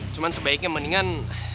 cuman sebaiknya mendingan